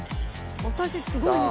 私すごいね。